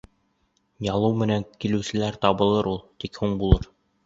Ялыу менән килеүселәр табылыр ул, тик һуң булыр.